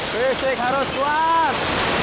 fisik harus kuat